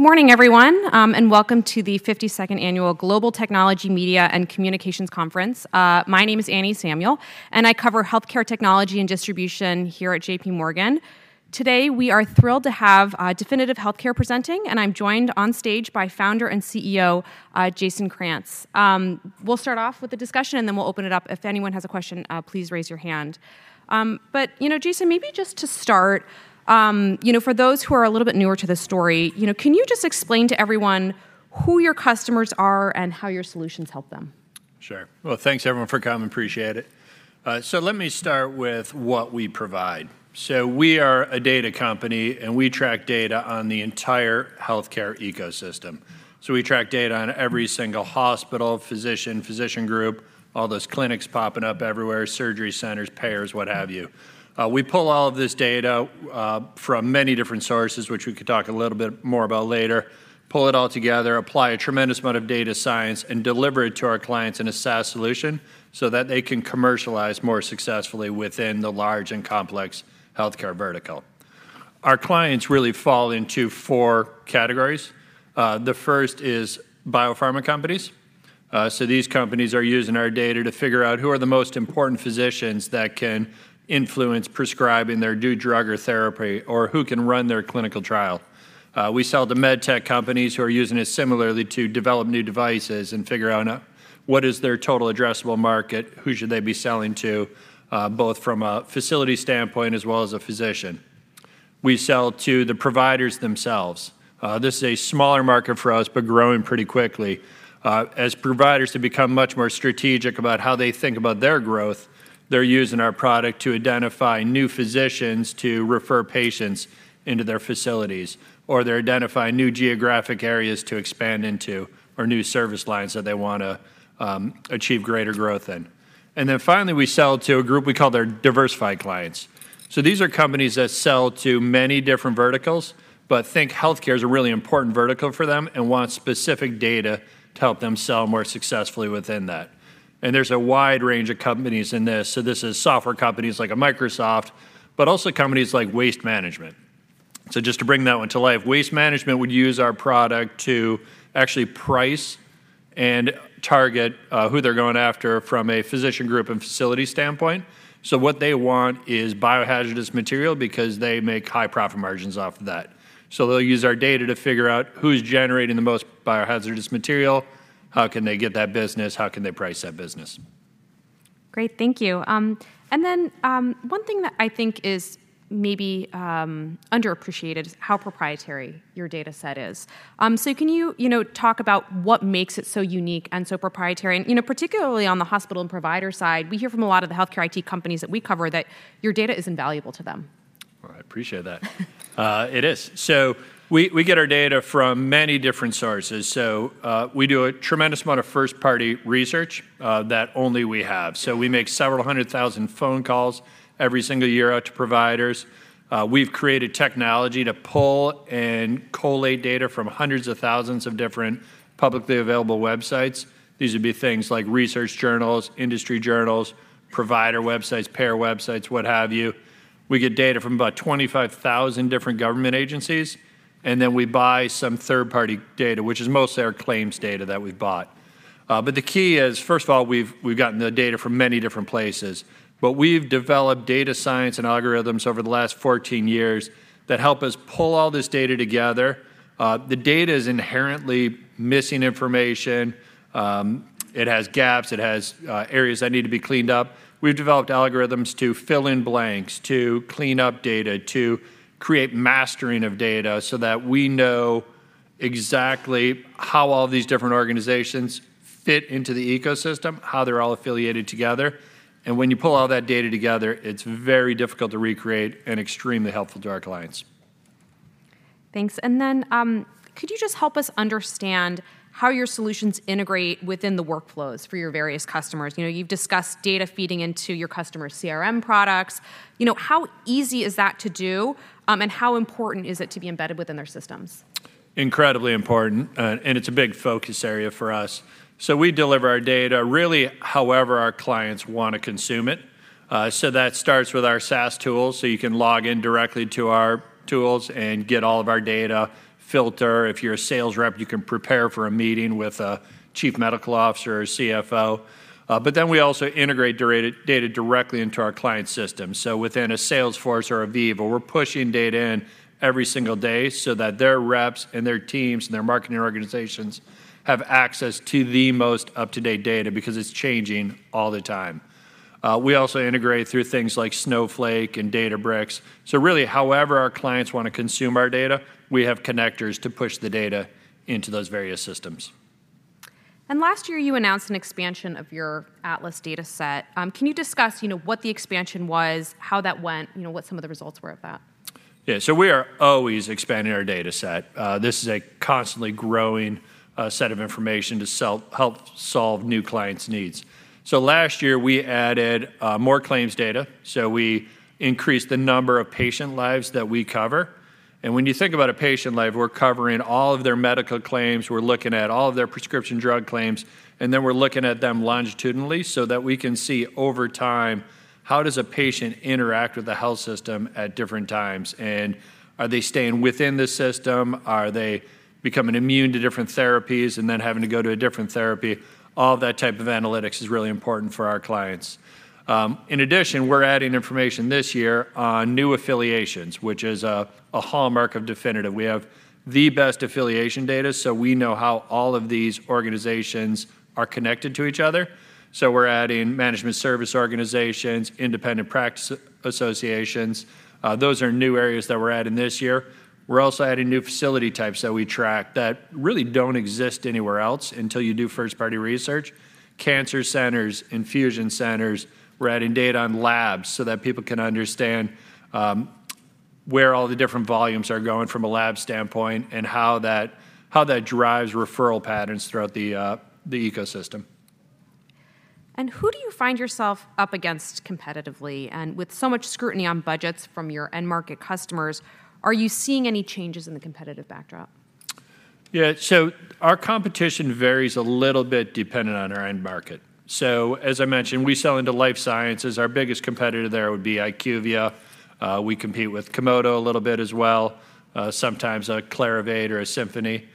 Good morning, everyone, and welcome to the 52nd annual Global Technology, Media, and Communications Conference. My name is Annie Samuel, and I cover healthcare technology and distribution here at JPMorgan. Today, we are thrilled to have Definitive Healthcare presenting, and I'm joined on stage by founder and CEO Jason Krantz. We'll start off with a discussion, and then we'll open it up. If anyone has a question, please raise your hand. But, you know, Jason, maybe just to start, you know, for those who are a little bit newer to this story, you know, can you just explain to everyone who your customers are and how your solutions help them? Sure. Well, thanks, everyone, for coming. Appreciate it. So let me start with what we provide. We are a data company, and we track data on the entire healthcare ecosystem. We track data on every single hospital, physician, physician group, all those clinics popping up everywhere, surgery centers, payers, what have you. We pull all of this data from many different sources, which we could talk a little bit more about later, pull it all together, apply a tremendous amount of data science, and deliver it to our clients in a SaaS solution so that they can commercialize more successfully within the large and complex healthcare vertical. Our clients really fall into four categories. The first is biopharma companies. So these companies are using our data to figure out who are the most important physicians that can influence prescribing their new drug or therapy, or who can run their clinical trial. We sell to med tech companies who are using it similarly to develop new devices and figure out what is their total addressable market, who should they be selling to, both from a facility standpoint as well as a physician. We sell to the providers themselves. This is a smaller market for us, but growing pretty quickly. As providers have become much more strategic about how they think about their growth, they're using our product to identify new physicians to refer patients into their facilities, or they're identifying new geographic areas to expand into or new service lines that they wanna achieve greater growth in. And then finally, we sell to a group we call their diversified clients. So these are companies that sell to many different verticals, but think healthcare is a really important vertical for them and want specific data to help them sell more successfully within that. And there's a wide range of companies in this, so this is software companies like a Microsoft, but also companies like Waste Management. So just to bring that one to life, Waste Management would use our product to actually price and target who they're going after from a physician group and facility standpoint. So what they want is biohazardous material because they make high profit margins off of that. So they'll use our data to figure out who's generating the most biohazardous material, how can they get that business, how can they price that business. Great, thank you. And then, one thing that I think is maybe underappreciated is how proprietary your dataset is. So can you, you know, talk about what makes it so unique and so proprietary? And, you know, particularly on the hospital and provider side, we hear from a lot of the healthcare IT companies that we cover that your data is invaluable to them. Well, I appreciate that. It is. So we get our data from many different sources, so we do a tremendous amount of first-party research that only we have. So we make several hundred thousand phone calls every single year out to providers. We've created technology to pull and collate data from hundreds of thousands of different publicly available websites. These would be things like research journals, industry journals, provider websites, payer websites, what have you. We get data from about 25,000 different government agencies, and then we buy some third-party data, which is mostly our claims data that we've bought. But the key is, first of all, we've gotten the data from many different places, but we've developed data science and algorithms over the last 14 years that help us pull all this data together. The data is inherently missing information, it has gaps, it has areas that need to be cleaned up. We've developed algorithms to fill in blanks, to clean up data, to create mastering of data so that we know exactly how all these different organizations fit into the ecosystem, how they're all affiliated together, and when you pull all that data together, it's very difficult to recreate and extremely helpful to our clients. Thanks. And then, could you just help us understand how your solutions integrate within the workflows for your various customers? You know, you've discussed data feeding into your customer CRM products. You know, how easy is that to do, and how important is it to be embedded within their systems? Incredibly important, and it's a big focus area for us. So we deliver our data really however our clients want to consume it. So that starts with our SaaS tools, so you can log in directly to our tools and get all of our data, filter. If you're a sales rep, you can prepare for a meeting with a chief medical officer or CFO. But then we also integrate data directly into our client system. So within a Salesforce or Veeva, we're pushing data in every single day so that their reps and their teams and their marketing organizations have access to the most up-to-date data because it's changing all the time. We also integrate through things like Snowflake and Databricks. So really, however our clients want to consume our data, we have connectors to push the data into those various systems. Last year, you announced an expansion of Atlas Dataset. can you discuss, you know, what the expansion was, how that went, you know, what some of the results were of that? Yeah. So we are always expanding our dataset. This is a constantly growing set of information to help solve new clients' needs. So last year, we added more claims data, so we increased the number of patient lives that we cover. And when you think about a patient life, we're covering all of their medical claims, we're looking at all of their prescription drug claims, and then we're looking at them longitudinally so that we can see over time, how does a patient interact with the health system at different times? And are they staying within the system? Are they becoming immune to different therapies and then having to go to a different therapy? All that type of analytics is really important for our clients. In addition, we're adding information this year on new affiliations, which is a hallmark of Definitive. We have the best affiliation data, so we know how all of these organizations are connected to each other. So we're adding Management Service Organizations, Independent Practice Associations. Those are new areas that we're adding this year. We're also adding new facility types that we track that really don't exist anywhere else until you do first-party research: cancer centers, infusion centers. We're adding data on labs so that people can understand where all the different volumes are going from a lab standpoint, and how that drives referral patterns throughout the ecosystem. Who do you find yourself up against competitively? And with so much scrutiny on budgets from your end market customers, are you seeing any changes in the competitive backdrop? Yeah, so our competition varies a little bit dependent on our end market. So as I mentioned, we sell into life sciences. Our biggest competitor there would be IQVIA. We compete with Komodo a little bit as well, sometimes a Clarivate or a Symphony.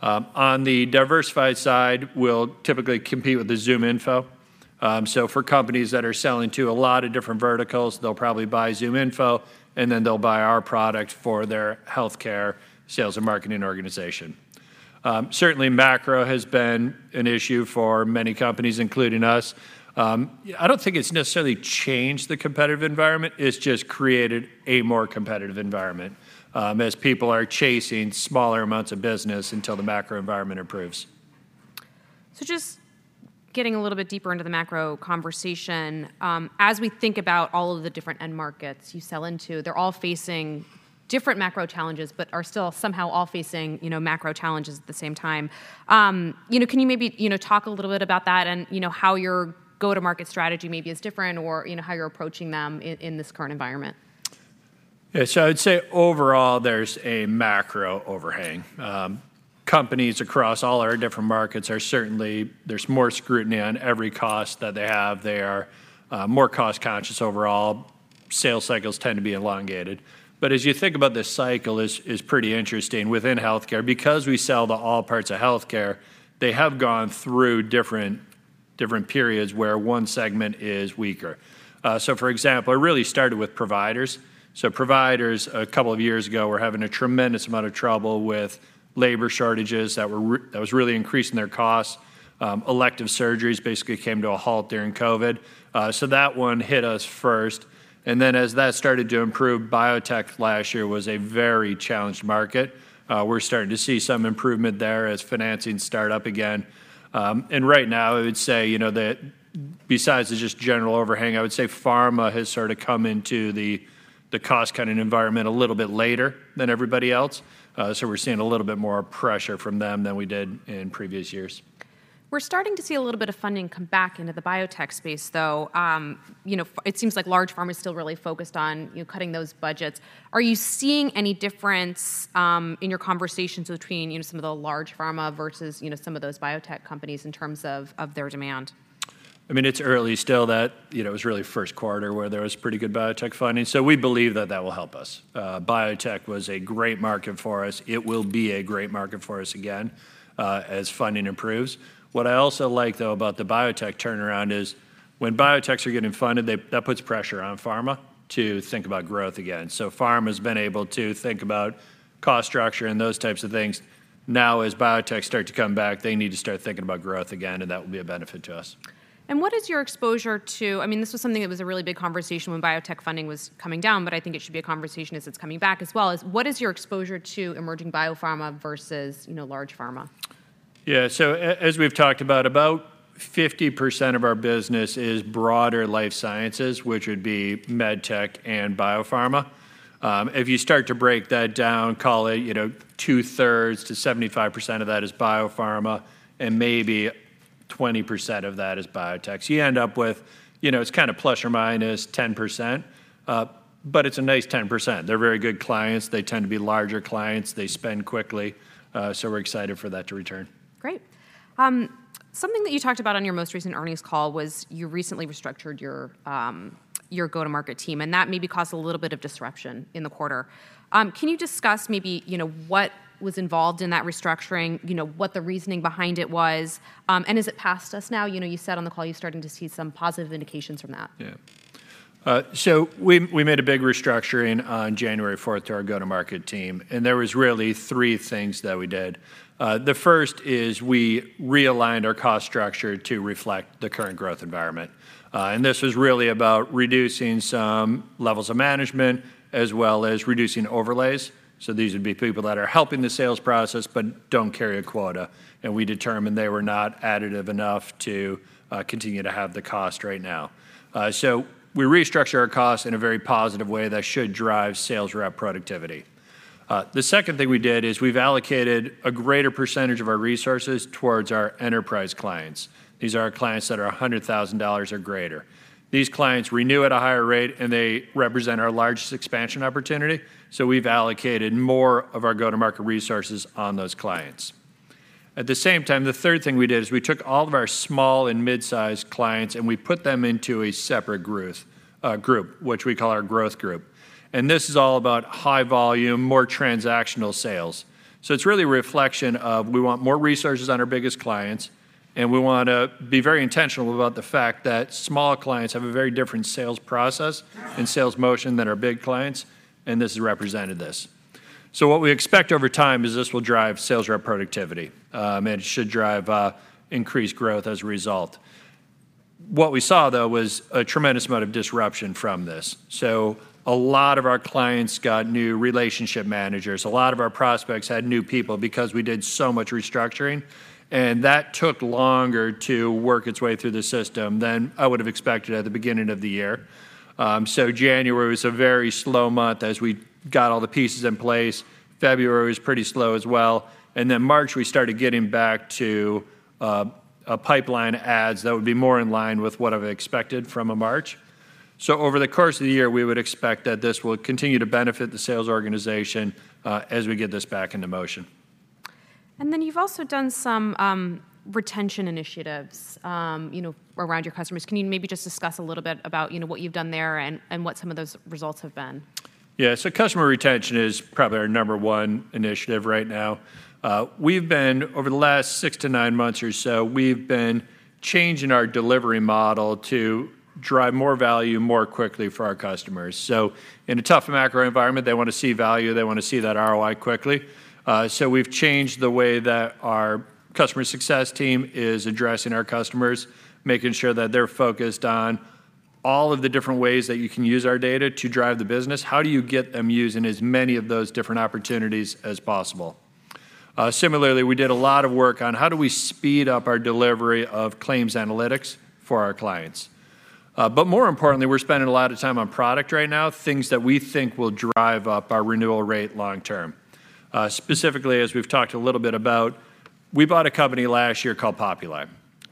On the diversified side, we'll typically compete with the ZoomInfo. So for companies that are selling to a lot of different verticals, they'll probably buy ZoomInfo, and then they'll buy our product for their healthcare sales and marketing organization. Certainly, macro has been an issue for many companies, including us. I don't think it's necessarily changed the competitive environment. It's just created a more competitive environment, as people are chasing smaller amounts of business until the macro environment improves. So just getting a little bit deeper into the macro conversation, as we think about all of the different end markets you sell into, they're all facing different macro challenges, but are still somehow all facing, you know, macro challenges at the same time. You know, can you maybe, you know, talk a little bit about that and, you know, how your go-to-market strategy maybe is different, or, you know, how you're approaching them in this current environment? Yeah. So I'd say overall, there's a macro overhang. Companies across all our different markets are certainly... There's more scrutiny on every cost that they have. They are more cost-conscious overall. Sales cycles tend to be elongated. But as you think about this cycle is pretty interesting within healthcare. Because we sell to all parts of healthcare, they have gone through different periods where one segment is weaker. So for example, it really started with providers. So providers, a couple of years ago, were having a tremendous amount of trouble with labor shortages that were really increasing their costs. Elective surgeries basically came to a halt during COVID, so that one hit us first, and then as that started to improve, biotech last year was a very challenged market. We're starting to see some improvement there as financing start up again. And right now, I would say, you know, that besides the just general overhang, I would say pharma has sort of come into the cost-cutting environment a little bit later than everybody else. So we're seeing a little bit more pressure from them than we did in previous years. We're starting to see a little bit of funding come back into the biotech space, though. You know, it seems like large pharma is still really focused on, you know, cutting those budgets. Are you seeing any difference in your conversations between, you know, some of the large pharma versus, you know, some of those biotech companies in terms of, of their demand? I mean, it's early still. That. You know, it was really first quarter where there was pretty good biotech funding, so we believe that that will help us. Biotech was a great market for us. It will be a great market for us again, as funding improves. What I also like, though, about the biotech turnaround is when biotechs are getting funded, they that puts pressure on pharma to think about growth again. So pharma's been able to think about cost structure and those types of things. Now, as biotechs start to come back, they need to start thinking about growth again, and that will be a benefit to us. What is your exposure to... I mean, this was something that was a really big conversation when biotech funding was coming down, but I think it should be a conversation as it's coming back as well, is, what is your exposure to emerging biopharma versus, you know, large pharma? Yeah, so as we've talked about, about 50% of our business is broader life sciences, which would be med tech and biopharma. If you start to break that down, call it, you know, two-thirds to 75% of that is biopharma, and maybe 20% of that is biotechs. You end up with, you know, it's kind of ±10%, but it's a nice 10%. They're very good clients. They tend to be larger clients. They spend quickly. So we're excited for that to return. Great. Something that you talked about on your most recent earnings call was you recently restructured your, your go-to-market team, and that maybe caused a little bit of disruption in the quarter. Can you discuss maybe, you know, what was involved in that restructuring, you know, what the reasoning behind it was, and is it past us now? You know, you said on the call you're starting to see some positive indications from that. Yeah. So we made a big restructuring on January fourth to our go-to-market team, and there was really three things that we did. The first is we realigned our cost structure to reflect the current growth environment, and this was really about reducing some levels of management, as well as reducing overlays. So these would be people that are helping the sales process but don't carry a quota, and we determined they were not additive enough to continue to have the cost right now. So we restructured our costs in a very positive way that should drive sales rep productivity. The second thing we did is we've allocated a greater percentage of our resources towards our enterprise clients. These are our clients that are $100,000 or greater. These clients renew at a higher rate, and they represent our largest expansion opportunity, so we've allocated more of our go-to-market resources on those clients.... At the same time, the third thing we did is we took all of our small and mid-sized clients, and we put them into a separate growth group, which we call our growth group. And this is all about high volume, more transactional sales. So it's really a reflection of we want more resources on our biggest clients, and we wanna be very intentional about the fact that small clients have a very different sales process and sales motion than our big clients, and this has represented this. So what we expect over time is this will drive sales rep productivity, and it should drive increased growth as a result. What we saw, though, was a tremendous amount of disruption from this. So a lot of our clients got new relationship managers. A lot of our prospects had new people because we did so much restructuring, and that took longer to work its way through the system than I would have expected at the beginning of the year. So January was a very slow month as we got all the pieces in place. February was pretty slow as well, and then March, we started getting back to a pipeline adds that would be more in line with what I've expected from a March. So over the course of the year, we would expect that this will continue to benefit the sales organization as we get this back into motion. And then you've also done some, retention initiatives, you know, around your customers. Can you maybe just discuss a little bit about, you know, what you've done there and what some of those results have been? Yeah, so customer retention is probably our number one initiative right now. We've been, over the last 6-9 months or so, we've been changing our delivery model to drive more value more quickly for our customers. So in a tough macro environment, they want to see value, they want to see that ROI quickly. So we've changed the way that our customer success team is addressing our customers, making sure that they're focused on all of the different ways that you can use our data to drive the business. How do you get them using as many of those different opportunities as possible? Similarly, we did a lot of work on how do we speed up our delivery of claims analytics for our clients. But more importantly, we're spending a lot of time on product right now, things that we think will drive up our renewal rate long term. Specifically, as we've talked a little bit about, we bought a company last year called Populi.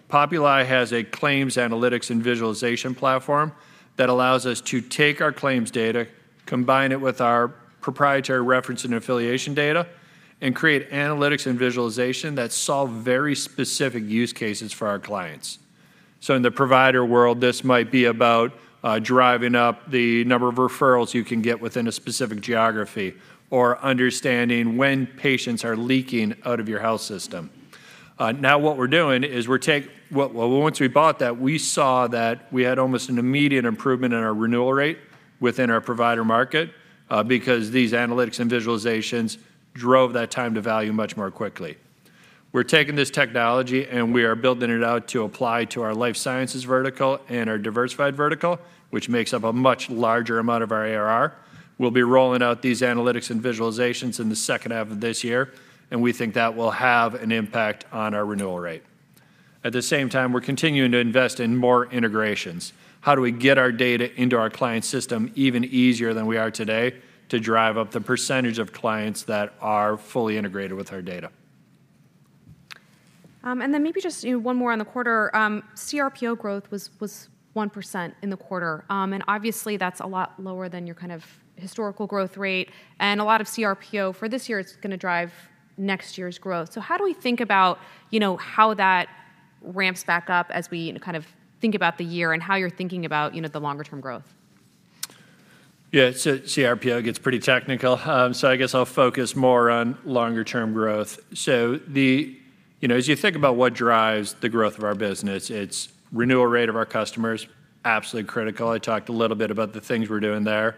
Populi has a claims analytics and visualization platform that allows us to take our claims data, combine it with our proprietary reference and affiliation data, and create analytics and visualization that solve very specific use cases for our clients. So in the provider world, this might be about driving up the number of referrals you can get within a specific geography or understanding when patients are leaking out of your health system. Now what we're doing is, once we bought that, we saw that we had almost an immediate improvement in our renewal rate within our provider market, because these analytics and visualizations drove that time to value much more quickly. We're taking this technology, and we are building it out to apply to our life sciences vertical and our diversified vertical, which makes up a much larger amount of our ARR. We'll be rolling out these analytics and visualizations in the second half of this year, and we think that will have an impact on our renewal rate. At the same time, we're continuing to invest in more integrations. How do we get our data into our client system even easier than we are today to drive up the percentage of clients that are fully integrated with our data? And then maybe just, you know, one more on the quarter. CRPO growth was 1% in the quarter. And obviously, that's a lot lower than your kind of historical growth rate, and a lot of CRPO for this year is gonna drive next year's growth. So how do we think about, you know, how that ramps back up as we kind of think about the year and how you're thinking about, you know, the longer-term growth? Yeah, so cRPO gets pretty technical, so I guess I'll focus more on longer-term growth. You know, as you think about what drives the growth of our business, it's renewal rate of our customers, absolutely critical. I talked a little bit about the things we're doing there.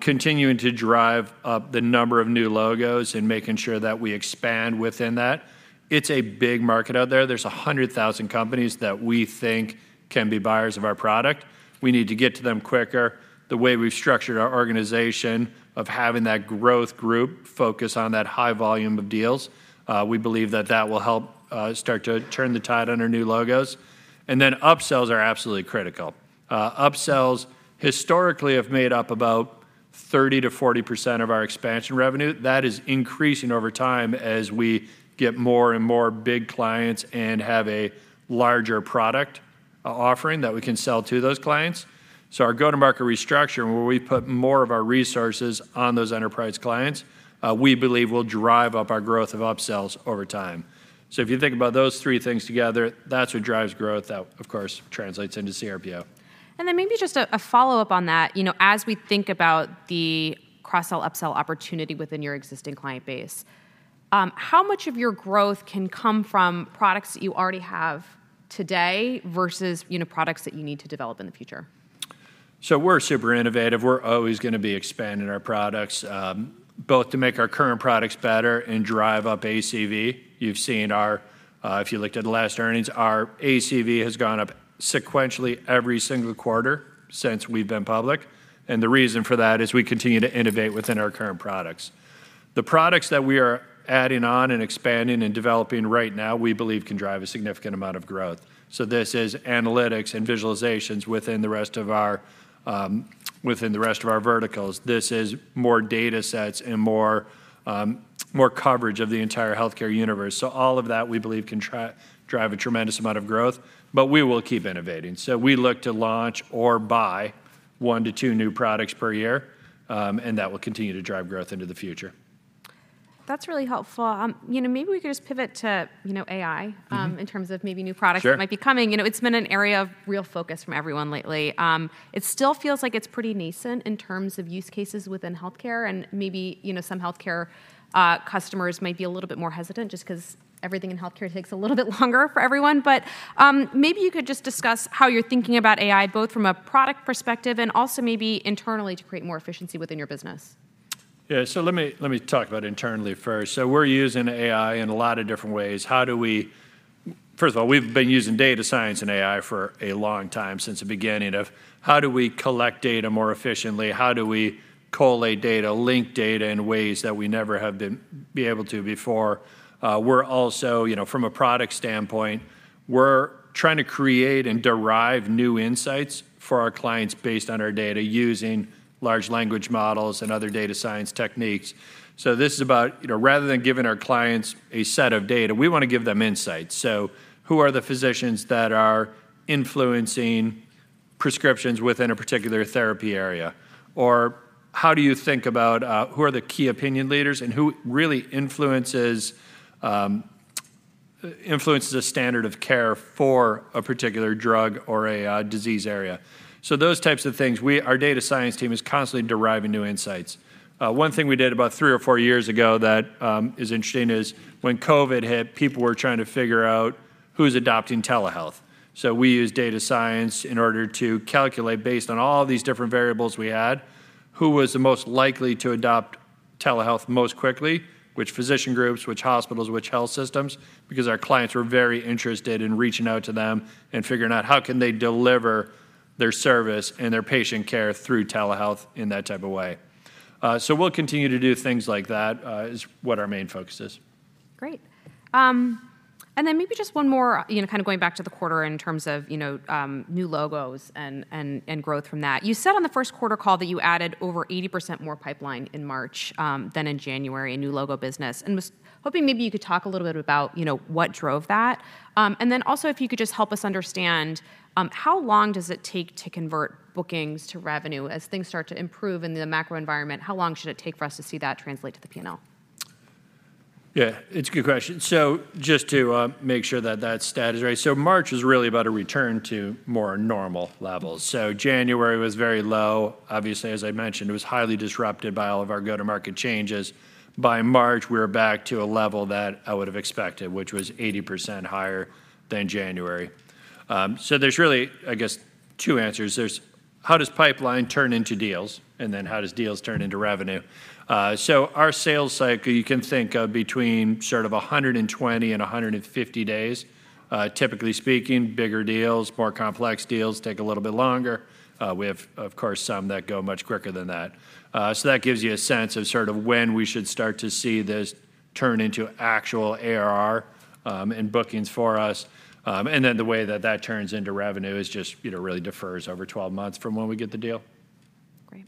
Continuing to drive up the number of new logos and making sure that we expand within that. It's a big market out there. There's 100,000 companies that we think can be buyers of our product. We need to get to them quicker. The way we've structured our organization, of having that growth group focus on that high volume of deals, we believe that that will help start to turn the tide on our new logos. And then upsells are absolutely critical. Upsells historically have made up about 30%-40% of our expansion revenue. That is increasing over time as we get more and more big clients and have a larger product, offering that we can sell to those clients. So our go-to-market restructuring, where we put more of our resources on those enterprise clients, we believe will drive up our growth of upsells over time. So if you think about those three things together, that's what drives growth. That, of course, translates into CRPO. Then maybe just a follow-up on that. You know, as we think about the cross-sell, upsell opportunity within your existing client base, how much of your growth can come from products that you already have today versus, you know, products that you need to develop in the future? So we're super innovative. We're always gonna be expanding our products, both to make our current products better and drive up ACV. You've seen our, if you looked at the last earnings, our ACV has gone up sequentially every single quarter since we've been public, and the reason for that is we continue to innovate within our current products. The products that we are adding on and expanding and developing right now, we believe, can drive a significant amount of growth. So this is analytics and visualizations within the rest of our, within the rest of our verticals. This is more datasets and more, more coverage of the entire healthcare universe. So all of that, we believe, can drive a tremendous amount of growth, but we will keep innovating. We look to launch or buy 1-2 new products per year, and that will continue to drive growth into the future. ... That's really helpful. You know, maybe we could just pivot to, you know, AI, in terms of maybe new products- Sure. -that might be coming. You know, it's been an area of real focus from everyone lately. It still feels like it's pretty nascent in terms of use cases within healthcare, and maybe, you know, some healthcare customers might be a little bit more hesitant just 'cause everything in healthcare takes a little bit longer for everyone. But, maybe you could just discuss how you're thinking about AI, both from a product perspective and also maybe internally to create more efficiency within your business. Yeah, so let me, let me talk about internally first. So we're using AI in a lot of different ways. How do we—First of all, we've been using data science and AI for a long time, since the beginning of how do we collect data more efficiently? How do we collate data, link data in ways that we never have been able to before? We're also, you know, from a product standpoint, we're trying to create and derive new insights for our clients based on our data, using large language models and other data science techniques. So this is about, you know, rather than giving our clients a set of data, we want to give them insights. So who are the physicians that are influencing prescriptions within a particular therapy area? Or how do you think about who are the key opinion leaders, and who really influences the standard of care for a particular drug or a disease area? So those types of things. Our data science team is constantly deriving new insights. One thing we did about three or four years ago that is interesting is, when COVID hit, people were trying to figure out who's adopting telehealth. So we used data science in order to calculate, based on all these different variables we had, who was the most likely to adopt telehealth most quickly, which physician groups, which hospitals, which health systems, because our clients were very interested in reaching out to them and figuring out how can they deliver their service and their patient care through telehealth in that type of way. So we'll continue to do things like that, is what our main focus is. Great. And then maybe just one more, you know, kind of going back to the quarter in terms of, you know, new logos and growth from that. You said on the first quarter call that you added over 80% more pipeline in March than in January, in new logo business, and was hoping maybe you could talk a little bit about, you know, what drove that. And then also, if you could just help us understand, how long does it take to convert bookings to revenue? As things start to improve in the macro environment, how long should it take for us to see that translate to the P&L? Yeah, it's a good question. So just to make sure that that stat is right. So March is really about a return to more normal levels. So January was very low. Obviously, as I mentioned, it was highly disrupted by all of our go-to-market changes. By March, we were back to a level that I would have expected, which was 80% higher than January. So there's really, I guess, two answers. There's how does pipeline turn into deals, and then how does deals turn into revenue? So our sales cycle, you can think of between sort of 120 and 150 days. Typically speaking, bigger deals, more complex deals take a little bit longer. We have, of course, some that go much quicker than that. So that gives you a sense of sort of when we should start to see this turn into actual ARR, and bookings for us. And then the way that that turns into revenue is just, you know, really defers over 12 months from when we get the deal. Great.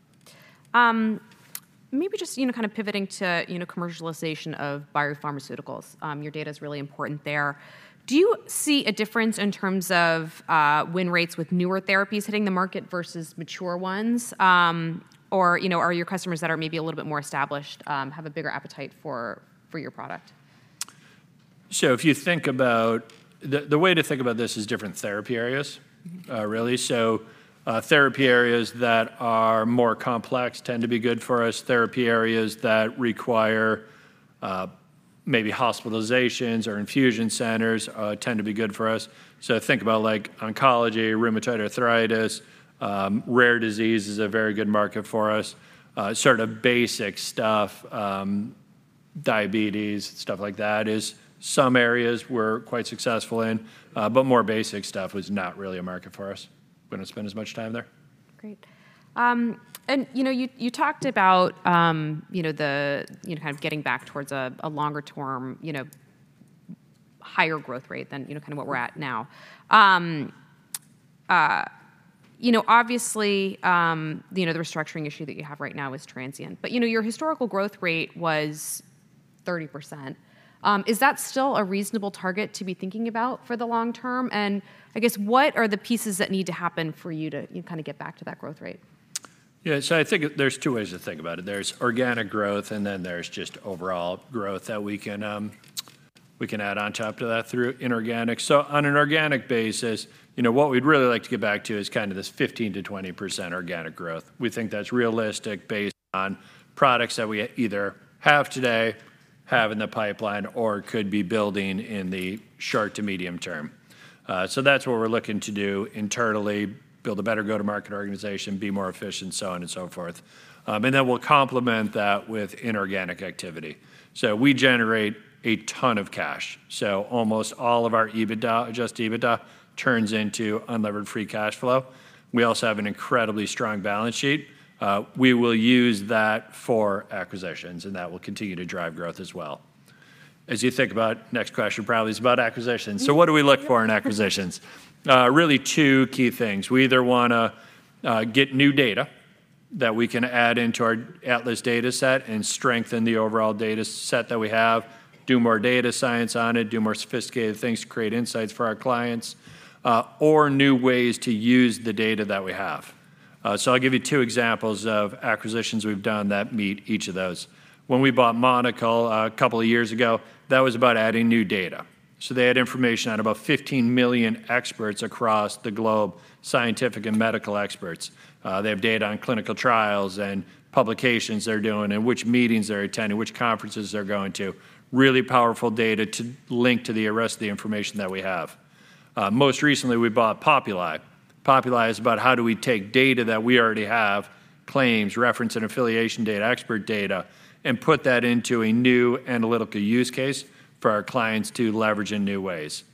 Maybe just, you know, kind of pivoting to, you know, commercialization of biopharmaceuticals. Your data is really important there. Do you see a difference in terms of win rates with newer therapies hitting the market versus mature ones? Or, you know, are your customers that are maybe a little bit more established, have a bigger appetite for your product? So if you think about... the way to think about this is different therapy areas- Mm-hmm. Really. So, therapy areas that are more complex tend to be good for us. Therapy areas that require maybe hospitalizations or infusion centers tend to be good for us. So think about, like, oncology, rheumatoid arthritis, rare disease is a very good market for us. Sort of basic stuff, diabetes, stuff like that, is some areas we're quite successful in, but more basic stuff is not really a market for us. We don't spend as much time there. Great. And, you know, you talked about, you know, the, you know, kind of getting back towards a longer-term, you know, higher growth rate than, you know, kind of where we're at now. You know, obviously, you know, the restructuring issue that you have right now is transient, but, you know, your historical growth rate was 30%. Is that still a reasonable target to be thinking about for the long term? And I guess, what are the pieces that need to happen for you to, you know, kind of get back to that growth rate? Yeah, so I think there's 2 ways to think about it. There's organic growth, and then there's just overall growth that we can, we can add on top to that through inorganic. So on an organic basis, you know, what we'd really like to get back to is kind of this 15%-20% organic growth. We think that's realistic based on products that we either have today, have in the pipeline, or could be building in the short to medium term. So that's what we're looking to do internally, build a better go-to-market organization, be more efficient, so on and so forth. And then we'll complement that with inorganic activity. So we generate a ton of cash, so almost all of our EBITDA, Adjusted EBITDA, turns into unlevered free cash flow. We also have an incredibly strong balance sheet. We will use that for acquisitions, and that will continue to drive growth as well. As you think about, next question probably is about acquisitions. Mm-hmm. So what do we look for in acquisitions? Really two key things. We either wanna get new data that we can add into our Atlas Dataset and strengthen the overall dataset that we have, do more data science on it, do more sophisticated things to create insights for our clients, or new ways to use the data that we have. So I'll give you two examples of acquisitions we've done that meet each of those. When we bought Monocl, a couple of years ago, that was about adding new data. So they had information on about 15 million experts across the globe, scientific and medical experts. They have data on clinical trials and publications they're doing, and which meetings they're attending, which conferences they're going to. Really powerful data to link to the rest of the information that we have. Most recently, we bought Populi. Populi is about how do we take data that we already have, claims, reference and affiliation data, expert data, and put that into a new analytical use case for our clients to leverage in new ways.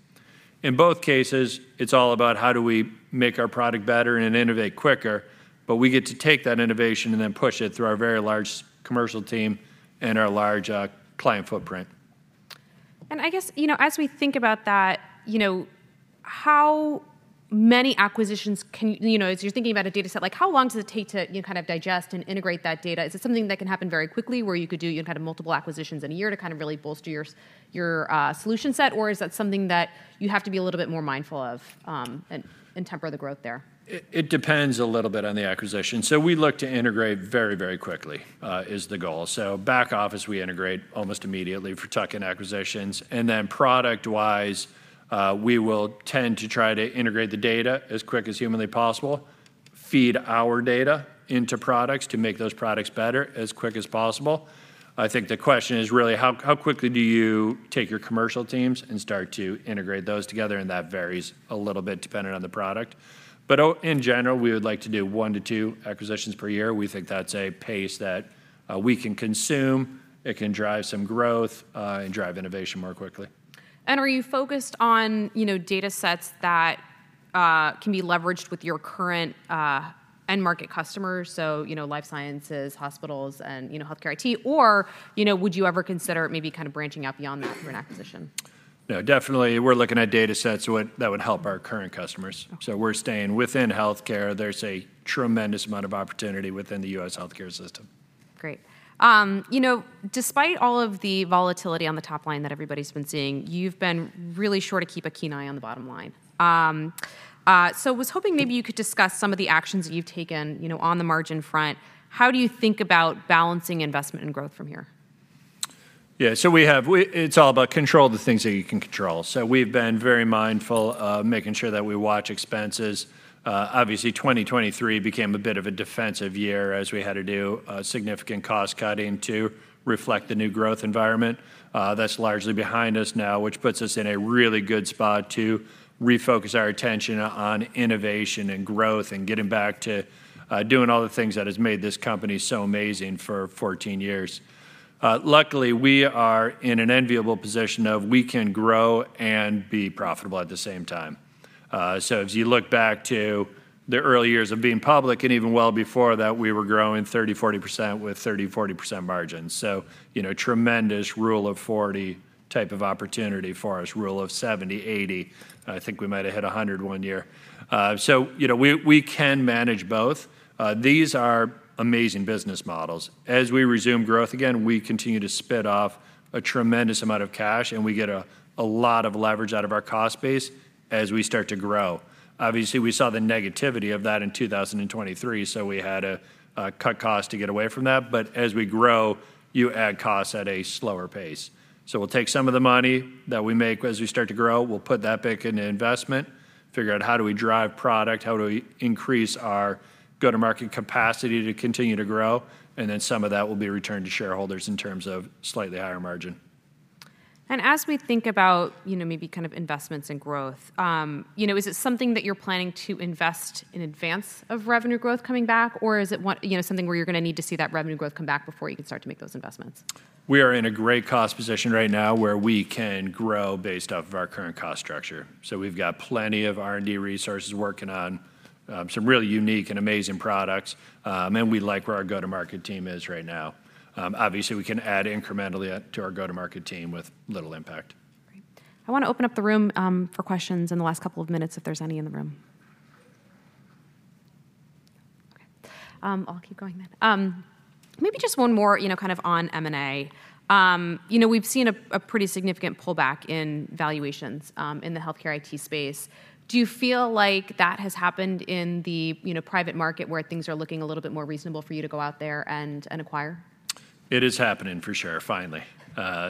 In both cases, it's all about how do we make our product better and innovate quicker, but we get to take that innovation and then push it through our very large commercial team and our large, client footprint. I guess, you know, as we think about that, you know, how many acquisitions can you know, as you're thinking about a dataset, like, how long does it take to, you know, kind of digest and integrate that data? Is it something that can happen very quickly, where you could do, you know, kind of multiple acquisitions in a year to kind of really bolster your solution set, or is that something that you have to be a little bit more mindful of, and temper the growth there? It depends a little bit on the acquisition. So we look to integrate very, very quickly is the goal. So back office, we integrate almost immediately for tuck-in acquisitions. And then product-wise, we will tend to try to integrate the data as quick as humanly possible, feed our data into products to make those products better as quick as possible. I think the question is really, how quickly do you take your commercial teams and start to integrate those together? And that varies a little bit depending on the product. But in general, we would like to do 1-2 acquisitions per year. We think that's a pace that we can consume, it can drive some growth, and drive innovation more quickly. Are you focused on, you know, datasets that can be leveraged with your current end-market customers? So, you know, life sciences, hospitals, and, you know, healthcare IT, or, you know, would you ever consider maybe kind of branching out beyond that for an acquisition? No, definitely, we're looking at datasets that would help our current customers. Okay. We're staying within healthcare. There's a tremendous amount of opportunity within the U.S. healthcare system. Great. You know, despite all of the volatility on the top line that everybody's been seeing, you've been really sure to keep a keen eye on the bottom line. So was hoping maybe you could discuss some of the actions that you've taken, you know, on the margin front. How do you think about balancing investment and growth from here? Yeah, so it's all about control the things that you can control. So we've been very mindful of making sure that we watch expenses. Obviously, 2023 became a bit of a defensive year as we had to do significant cost cutting to reflect the new growth environment. That's largely behind us now, which puts us in a really good spot to refocus our attention on innovation and growth, and getting back to doing all the things that has made this company so amazing for 14 years. Luckily, we are in an enviable position of we can grow and be profitable at the same time. So as you look back to the early years of being public, and even well before that, we were growing 30%-40% with 30%-40% margins. So, you know, tremendous Rule of 40 type of opportunity for us, Rule of 70, 80. I think we might've hit 100 one year. So, you know, we can manage both. These are amazing business models. As we resume growth again, we continue to spit off a tremendous amount of cash, and we get a lot of leverage out of our cost base as we start to grow. Obviously, we saw the negativity of that in 2023, so we had to cut costs to get away from that. But as we grow, you add costs at a slower pace. So we'll take some of the money that we make as we start to grow, we'll put that back into investment, figure out how do we drive product, how do we increase our go-to-market capacity to continue to grow, and then some of that will be returned to shareholders in terms of slightly higher margin. As we think about, you know, maybe kind of investments and growth, you know, is it something that you're planning to invest in advance of revenue growth coming back? Or is it, you know, something where you're going to need to see that revenue growth come back before you can start to make those investments? We are in a great cost position right now, where we can grow based off of our current cost structure. So we've got plenty of R&D resources working on some really unique and amazing products, and we like where our go-to-market team is right now. Obviously, we can add incrementally to our go-to-market team with little impact. Great. I want to open up the room for questions in the last couple of minutes, if there's any in the room. Okay, I'll keep going then. Maybe just one more, you know, kind of on M&A. You know, we've seen a pretty significant pullback in valuations in the healthcare IT space. Do you feel like that has happened in the, you know, private market, where things are looking a little bit more reasonable for you to go out there and acquire? It is happening, for sure, finally.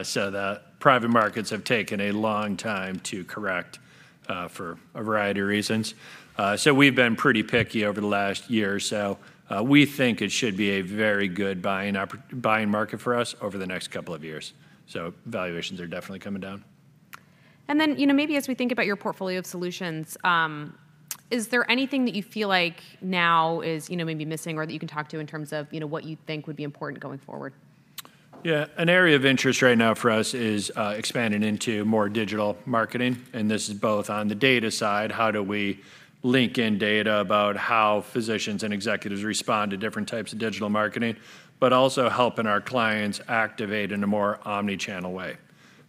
So the private markets have taken a long time to correct, for a variety of reasons. So we've been pretty picky over the last year or so. We think it should be a very good buying market for us over the next couple of years, so valuations are definitely coming down. And then, you know, maybe as we think about your portfolio of solutions, is there anything that you feel like now is, you know, maybe missing or that you can talk to in terms of, you know, what you think would be important going forward? Yeah, an area of interest right now for us is expanding into more digital marketing, and this is both on the data side, how do we link in data about how physicians and executives respond to different types of digital marketing, but also helping our clients activate in a more omni-channel way.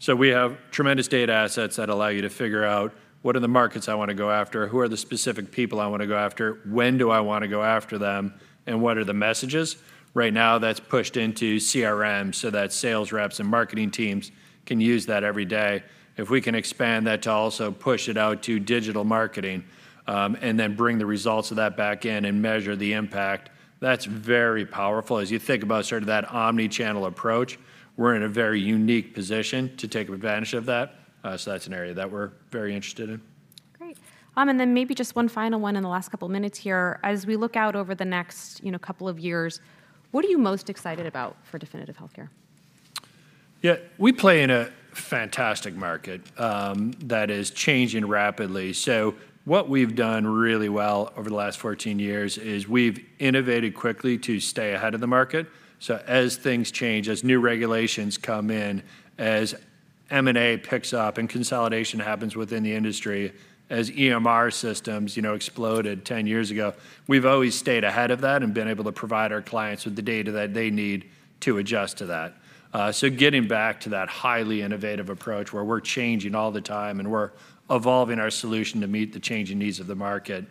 So we have tremendous data assets that allow you to figure out: What are the markets I want to go after? Who are the specific people I want to go after? When do I want to go after them, and what are the messages? Right now, that's pushed into CRMs so that sales reps and marketing teams can use that every day. If we can expand that to also push it out to digital marketing, and then bring the results of that back in and measure the impact, that's very powerful. As you think about sort of that omni-channel approach, we're in a very unique position to take advantage of that. So that's an area that we're very interested in. Great. And then maybe just one final one in the last couple minutes here. As we look out over the next, you know, couple of years, what are you most excited about for Definitive Healthcare? Yeah, we play in a fantastic market that is changing rapidly. What we've done really well over the last 14 years is we've innovated quickly to stay ahead of the market. As things change, as new regulations come in, as M&A picks up and consolidation happens within the industry, as EMR systems, you know, exploded 10 years ago, we've always stayed ahead of that and been able to provide our clients with the data that they need to adjust to that. Getting back to that highly innovative approach, where we're changing all the time and we're evolving our solution to meet the changing needs of the market,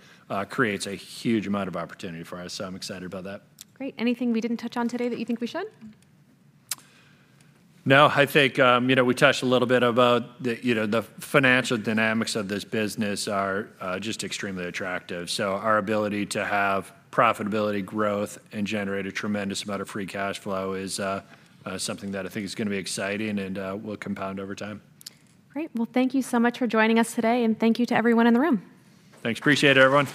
creates a huge amount of opportunity for us, so I'm excited about that. Great. Anything we didn't touch on today that you think we should? No, I think, you know, we touched a little bit about the, you know, the financial dynamics of this business are just extremely attractive. So our ability to have profitability, growth, and generate a tremendous amount of free cash flow is something that I think is going to be exciting and will compound over time. Great. Well, thank you so much for joining us today, and thank you to everyone in the room. Thanks. Appreciate it, everyone.